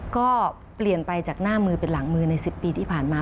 ก็เปลี่ยนไปจากหน้ามือเป็นหลังมือใน๑๐ปีที่ผ่านมา